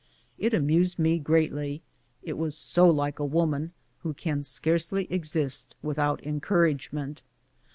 It amused me greatly, it was so like a woman, who can scarcely exist without encouragement.